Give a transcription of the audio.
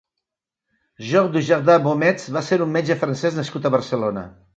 Georges Dujardin-Beaumetz va ser un metge francès nascut a Barcelona.